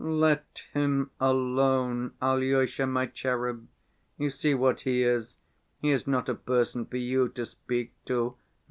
"Let him alone, Alyosha, my cherub; you see what he is, he is not a person for you to speak to.